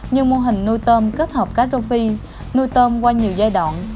như mô hình nuôi tôm kết hợp cá rô phi nuôi tôm qua nhiều giai đoạn